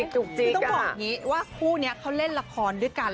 คือต้องบอกว่าคู่นี้เขาเล่นละครด้วยกัน